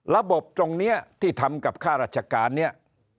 ระบบตรงนี้ที่ทำกับค่าราชการเนี่ย